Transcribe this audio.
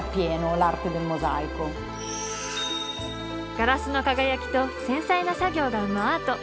ガラスの輝きと繊細な作業が生むアート。